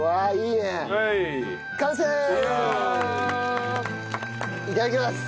いただきます。